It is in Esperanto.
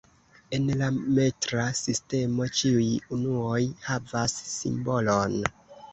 En la metra sistemo, ĉiuj unuoj havas "simbolon".